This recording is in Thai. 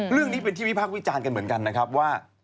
เรื่องนี้เป็นที่วิพากษ์วิจารณ์กันเหมือนกันนะครับว่า